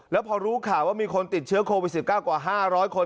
แล้วพอรู้ข่าวว่ามีคนติดเชื้อโควิด๑๙กว่า๕๐๐คน